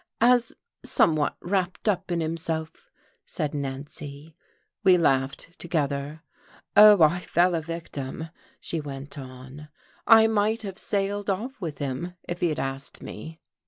"As somewhat wrapped up in himself," said Nancy. We laughed together. "Oh, I fell a victim," she went on. "I might have sailed off with him, if he had asked me."